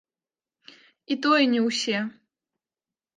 І тое не ўсе.